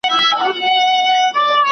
زه به تل ستا دا خبرې په خپل زړه کې ساتم.